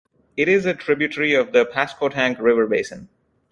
It is a tributary of the Pasquotank River Basin.